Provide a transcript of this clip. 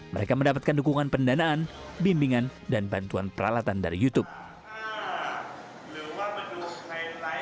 mereka mendapatkan dukungan pendanaan bimbingan dan bantuan peralatan dari youtube